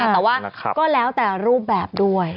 แต่ว่าก็แล้วแต่รูปแบบด้วย